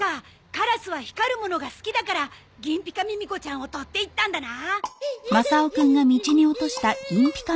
カラスは光るものが好きだから銀ピカミミ子ちゃんを取っていったんだな。